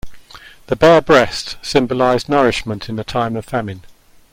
The bare breast symbolized nourishment in a time of famine.